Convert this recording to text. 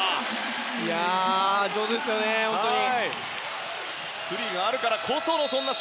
上手ですね、本当に。